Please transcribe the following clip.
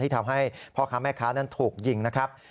ทำให้พ่อค้าแม่ค้านั้นถูกยิงนะครับ